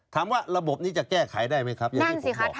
ระบบนี้จะแก้ไขได้ไหมครับอย่างที่ผมบอก